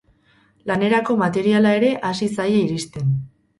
Lanerako materiala ere hasi zaie iristen.